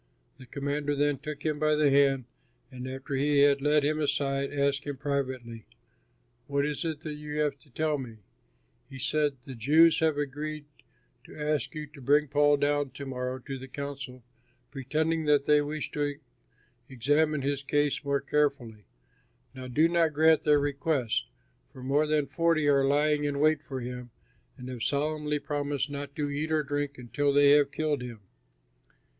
The commander then took him by the hand, and after he had led him aside, asked him privately, "What is it that you have to tell me?" He said, "The Jews have agreed to ask you to bring Paul down to morrow to the council pretending that they wish to examine his case more carefully. Now do not grant their request, for more than forty are lying in wait for him and have solemnly promised not to eat or drink until they have killed him.